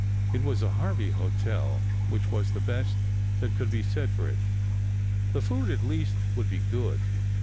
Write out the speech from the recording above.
It was a Harvey hotel, which was the best that could be said for it; the food at least would be good.